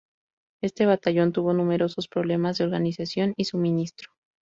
Este batallón tuvo numerosos problemas de organización y suministro.